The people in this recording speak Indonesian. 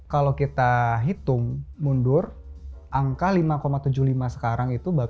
kalau kita hitung mundur angka lima tujuh puluh lima sekarang itu